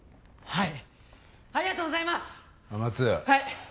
はい。